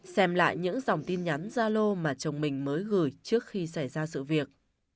xem lại những dòng tin nhắn gia lô mà chồng mình mới gửi trước khi xảy ra sự việc